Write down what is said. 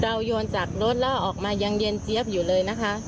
โยนจากรถแล้วออกมายังเย็นเจี๊ยบอยู่เลยนะคะ